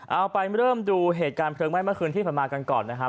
เอาไปเริ่มดูเหตุการณ์เพลิงไหม้เมื่อคืนที่ผ่านมากันก่อนนะครับ